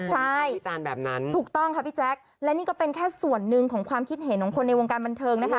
ใช่วิจารณ์แบบนั้นถูกต้องค่ะพี่แจ๊คและนี่ก็เป็นแค่ส่วนหนึ่งของความคิดเห็นของคนในวงการบันเทิงนะคะ